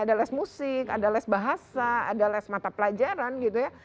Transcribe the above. ada les musik ada les bahasa ada les mata pelajaran gitu ya